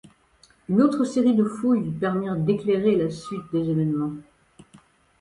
Une autre série de fouilles permirent d’éclairer la suite des évènements.